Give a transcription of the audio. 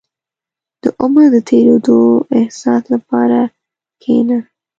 • د عمر د تېرېدو احساس لپاره کښېنه.